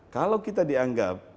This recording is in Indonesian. kalau kita dianggap